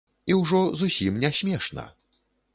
І ўжо зусім нясмешна.